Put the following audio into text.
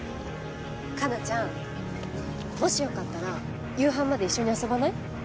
花奈ちゃんもしよかったら夕飯まで一緒に遊ばない？